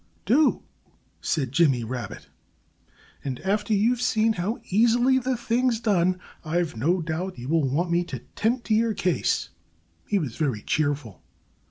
"Do!" said Jimmy Rabbit. "And after you've seen how easily the thing's done, I've no doubt you will want me to 'tend to your case." He was very cheerful.